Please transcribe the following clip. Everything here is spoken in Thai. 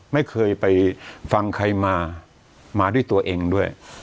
ไม่เคยไปฟังใครมามาด้วยตัวเองด้วย